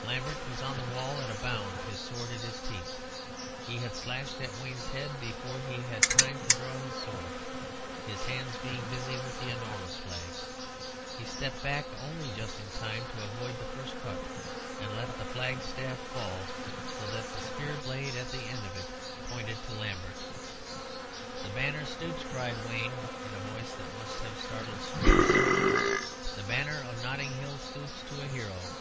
Lambert was on the wall at a bound, his sword in his teeth, and had slashed at Wayne's head before he had time to draw his sword, his hands being busy with the enormous flag. He stepped back only just in time to avoid the first cut, and let the flag staff fall, so that the spear blade at the end of it pointed to Lambert. "'The banner stoops,' cried Wayne, in a voice that must have startled streets. 'The banner of Notting Hill stoops to a hero.'